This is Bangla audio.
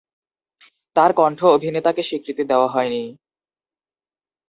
তার কণ্ঠ অভিনেতাকে স্বীকৃতি দেওয়া হয়নি।